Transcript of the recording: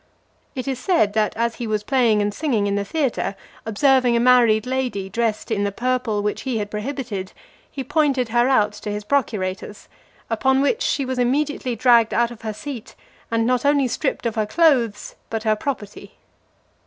It is said, that, as he was playing and singing in the theatre, observing a married lady dressed in the purple which he had prohibited, he pointed her out to his procurators; upon which she was immediately dragged out of her seat, and not only stripped of her clothes, but her property.